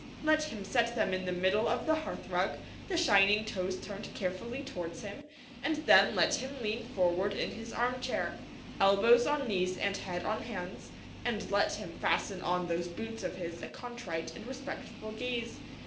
Let him set them in the middle of the hearthrug, the shining toes turned carefully towards him, and then let him lean forward in his arm chair, elbows on knees and head on hands, and let him fasten on those boots of his a contrite and respectful gaze.